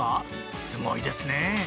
すごいですね。